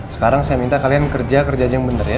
sekarang saya minta kalian kerja kerjanya yang bener ya